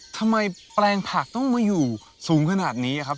แปลงผักต้องมาอยู่สูงขนาดนี้ครับ